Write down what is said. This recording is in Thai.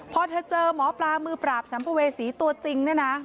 พอเธอเจอหมอปลามือปราบสัมภเวษีตัวจริงเนี่ยนะ